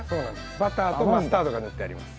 バターとマスタードが塗ってあります。